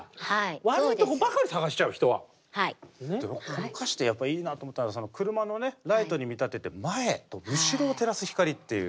この歌詞でやっぱいいなと思ったのは車のライトに見立てて前と後ろを照らす光っていう。